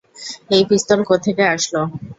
এই পিস্তল কোত্থেকে আসলো?